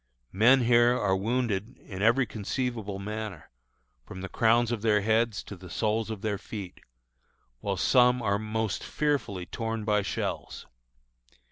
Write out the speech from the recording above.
Men here are wounded in every conceivable manner, from the crowns of their heads to the soles of their feet, while some are most fearfully torn by shells.